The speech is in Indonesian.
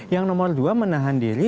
yang nomor dua menahan diri